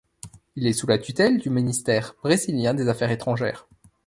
Il est sous la tutelle du ministère brésilien des Affaires étrangères.